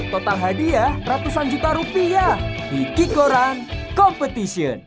total hadiah ratusan juta rupiah di kikoran competition